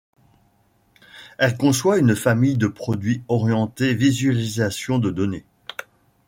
Elle conçoit une famille de produits orientés visualisation de données.